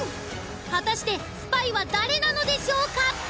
果たしてスパイは誰なのでしょうか？